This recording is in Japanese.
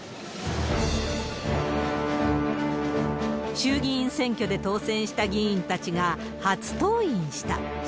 衆議院選挙で当選した議員たちが、初登院した。